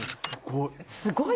すごい。